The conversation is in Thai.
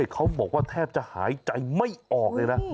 เขาบอกว่าแทบจะหายใจไม่ออกเลยนะ